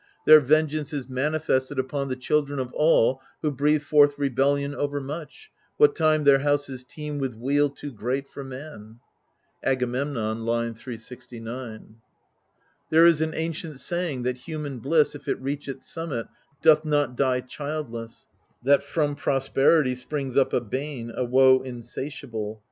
XX THE HOUSE OF ATREUS their vengeance is manifested upon the children of all who breathe forth rebellion overmuch, what time their houses teem with weal too great for man." — Agamemnon^ L 369. " There is an ancient saying, that human bliss, if it reach its summit, doth not die childless ; that from prosperity springs up a bane, a woe insatiable.